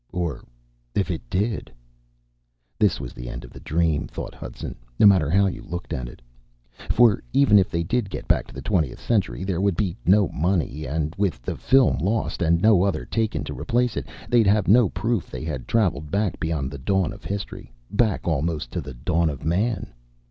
Or if it did? This was the end of the dream, thought Hudson, no matter how you looked at it. For even if they did get back to the twentieth century, there would be no money and with the film lost and no other taken to replace it, they'd have no proof they had traveled back beyond the dawn of history back almost to the dawn of Man.